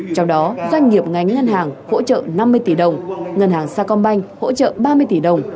trong đó doanh nghiệp ngành ngân hàng hỗ trợ năm mươi tỷ đồng ngân hàng sacombank hỗ trợ ba mươi tỷ đồng